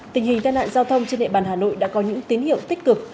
tình hình tai nạn giao thông trên địa bàn hà nội đã có những tín hiệu tích cực